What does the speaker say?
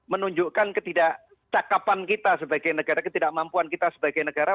menunjukkan ketidakcakapan kita sebagai negara ketidakmampuan kita sebagai negara